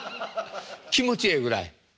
気持ちええぐらい？